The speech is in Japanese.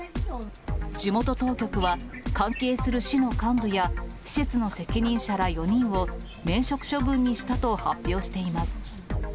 地元当局は関係する市の幹部や、施設の責任者ら４人を、免職処分にしたと発表しています。